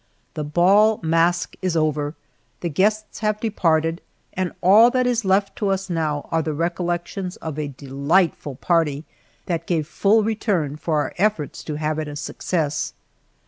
The bal masque is over, the guests have departed, and all that is left to us now are the recollections of a delightful party that gave full return for our efforts to have it a success.